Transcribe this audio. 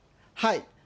はい。